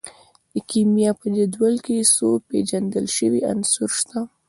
د کیمیا په جدول کې څو پیژندل شوي عناصر شته.